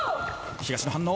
東野反応。